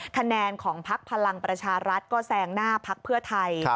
คะแนนของพักพลังประชารัฐก็แซงหน้าพักเพื่อไทย